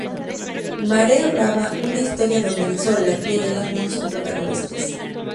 Marea Brava, una historia donde el Sol, la piel y el amor son protagonistas.